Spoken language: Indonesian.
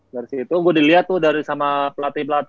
dari situ gue dilihat tuh sama pelatih pelatih